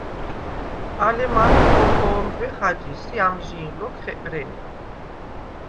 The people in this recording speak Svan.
ალე მაგ ქო̄ხო̄მბვე ხაჯის ი ამჟი̄ნ ლოქ ხეყრენი.